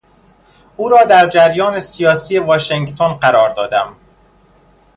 او را در جریان سیاسی واشنگتن قرار دادم.